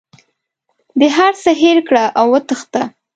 د هر څه هېر کړه او وتښته.